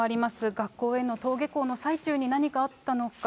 学校への登下校の最中に何かあったのか。